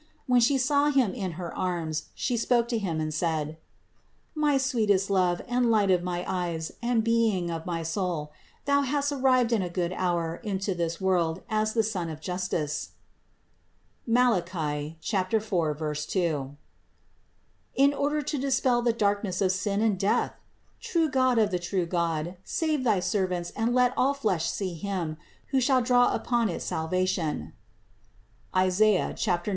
And when She saw Him in her arms, She spoke to Him and said : "My sweetest Love and light of my eyes and being of my soul, Thou hast arrived in good hour into this world as the Sun of justice (Malach. 4, 2), in order to disperse the darkness of sin and death ! True God of the true God, save thy servants and let all flesh see Him, who shall draw upon it salvation (Is. 9, 2).